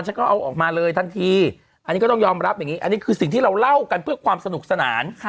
ฉันก็เอาออกมาเลยทันทีอันนี้ก็ต้องยอมรับอย่างนี้อันนี้คือสิ่งที่เราเล่ากันเพื่อความสนุกสนาน